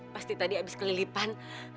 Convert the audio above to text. pasti tadi abis kelilipan